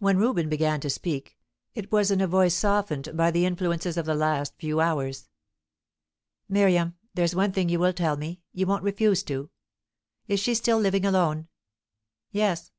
When Reuben began to speak, it was in a voice softened by the influences of the last few hours. "Miriam, there's one thing you will tell me; you won't refuse to. Is she still living alone?" "Yes."